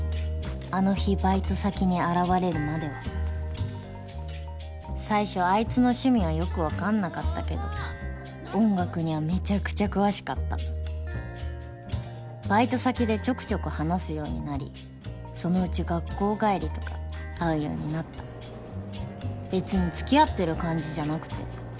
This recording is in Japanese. あの日バイト先に現れるまでは最初アイツの趣味はよくわかんなかったけど音楽にはめちゃくちゃ詳しかったバイト先でちょくちょく話すようになりそのうち学校帰りとか会うようになった別に付き合ってる感じじゃなくて。